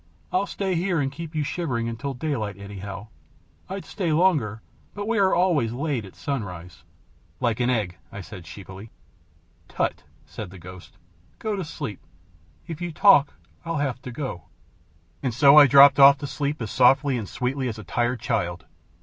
I'll stay here and keep you shivering until daylight anyhow. I'd stay longer, but we are always laid at sunrise." "Like an egg," I said, sleepily. "Tutt!" said the ghost. "Go to sleep, If you talk I'll have to go." And so I dropped off to sleep as softly and as sweetly as a tired child.